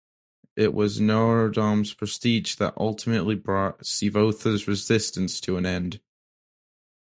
It was Norodom's prestige that ultimately brought Si Votha's resistance to an end.